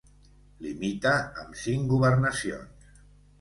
Limita amb cinc governacions.